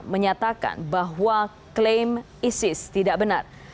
menyatakan bahwa klaim isis tidak benar